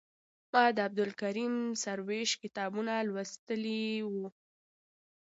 ما د عبدالکریم سروش کتابونه لوستي وو.